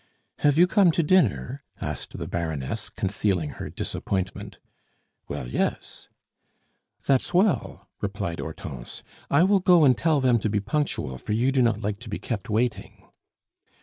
"Have you come to dinner?" asked the Baroness, concealing her disappointment. "Well, yes." "That's well," replied Hortense. "I will go and tell them to be punctual, for you do not like to be kept waiting."